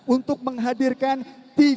untuk menghadirkan tiga puluh tiga kader